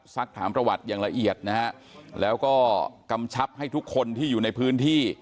สักถามประวัติอย่างละเอียดนะฮะแล้วก็กำชับให้ทุกคนที่อยู่ในพื้นที่